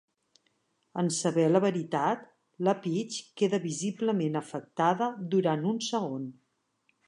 En saber la veritat, la Peach queda visiblement afectada durant un segon.